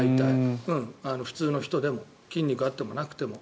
普通の人でも筋肉があってもなくても。